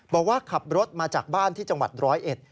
บอกว่าขับรถมาจากบ้านที่จังหวัดร้อยเอ็ด